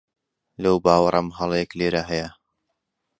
لەو باوەڕەم هەڵەیەک لێرە هەیە.